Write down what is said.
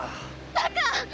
バカ！